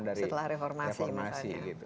setelah reformasi makanya